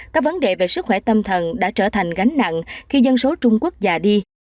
các vấn đề về sức khỏe tâm thần đã trở thành gánh nặng khi dân số trung quốc già đi